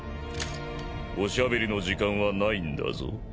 おしゃべりの時間はないんだぞ。